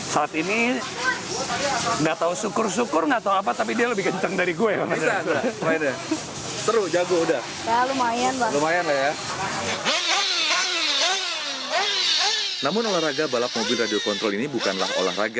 saat ini nggak tahu syukur syukur nggak tahu apa tapi dia lebih kenceng dari gue